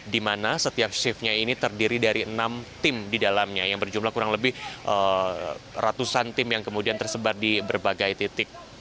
di mana setiap shiftnya ini terdiri dari enam tim di dalamnya yang berjumlah kurang lebih ratusan tim yang kemudian tersebar di berbagai titik